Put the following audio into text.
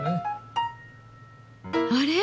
あれ？